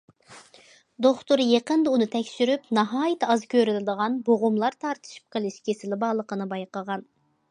دوختۇر يېقىندا ئۇنى تەكشۈرۈپ ناھايىتى ئاز كۆرۈلىدىغان بوغۇملار تارتىشىپ قېلىش كېسىلى بارلىقىنى بايقىغان.